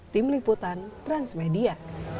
tim liputan transmedia